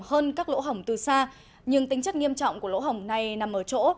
hơn các lỗ hỏng từ xa nhưng tính chất nghiêm trọng của lỗ hỏng này nằm ở chỗ